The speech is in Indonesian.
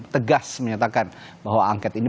tegas menyatakan bahwa angket ini